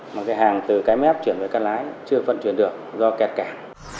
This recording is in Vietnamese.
mà cái hàng từ cái mép chuyển về cắt lái chưa phận chuyển được do kẹt cảng